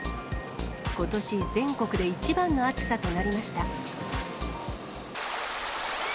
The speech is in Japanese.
ことし全国で一番の暑さとなりました。